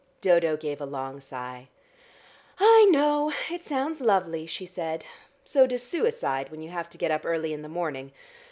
Dodo gave a long sigh. "I know; it sounds lovely," she said. "So does suicide when you have to get up early in the morning.